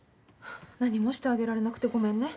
何もしてあげられなくてごめんね。